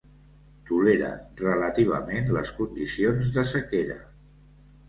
Tolera relativament les condicions de sequera.